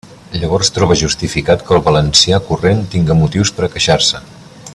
Llavors trobe justificat que el valencià corrent tinga motius per a queixar-se.